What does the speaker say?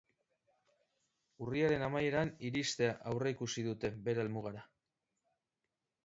Urriaren amaieran iristea aurreikusi dute bere helmugara.